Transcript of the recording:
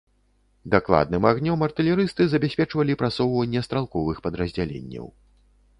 Дакладным агнём артылерысты забяспечвалі прасоўванне стралковых падраздзяленняў.